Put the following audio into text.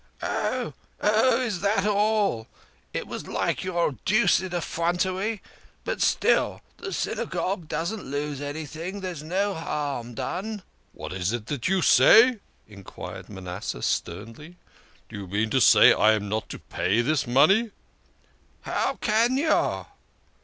"Oh, is that all? It was like your deuced effrontery; but still, the Synagogue doesn't lose anything. There's no harm done." " What is that you say ?" enquired Manasseh sternly. " Do you mean to say I am not to pay this money? "" How can you